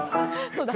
そうだ。